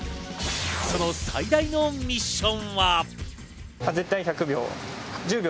その最大のミッションは。